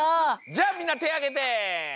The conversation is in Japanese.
じゃあみんなてあげて。